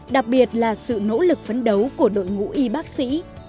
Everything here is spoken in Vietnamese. đặc biệt là sự nỗ lực phấn đấu của đội ngũ y bác sĩ